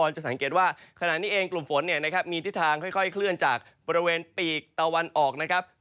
จะสังเกตว่าขณะนี้เองกลุ่มฝนมีทิศทางค่อยเคลื่อนจากบริเวณปีกตะวันออกนะครับ